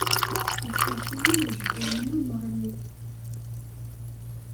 Yeqreḥ-iyi ujgu-inu n uɛrur.